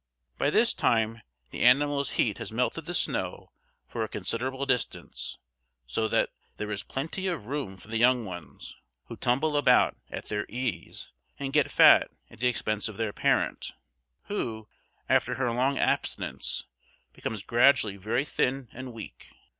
By this time the animal's heat has melted the snow for a considerable distance, so that there is plenty of room for the young ones, who tumble about at their ease and get fat at the expense of their parent, who, after her long abstinence, becomes gradually very thin and weak.